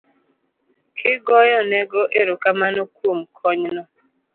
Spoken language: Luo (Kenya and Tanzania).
kigoyonego erokamano kuom konyno.